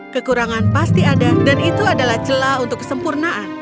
kekurangan pasti ada dan itu adalah celah untuk kesempurnaan